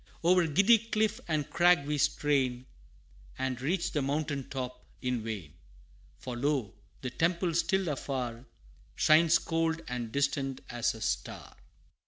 O'er giddy cliff and crag we strain, And reach the mountain top in vain! For lo! the temple, still afar, Shines cold and distant as a star.